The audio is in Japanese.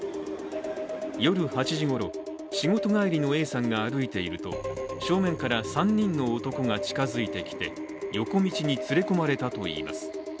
夜８時ごろ、仕事帰りのＡさんが歩いていると正面から３人の男が近づいてきて、横道に連れ込まれたといいます。